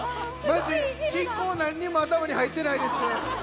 進行、何も頭に入ってないです。